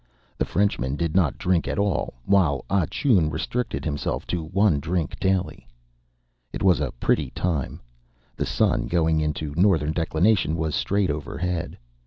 The Frenchman did not drink at all, while Ah Choon restricted himself to one drink daily. It was a pretty time. The sun, going into northern declination, was straight overhead.